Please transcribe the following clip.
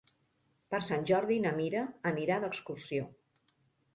Per Sant Jordi na Mira anirà d'excursió.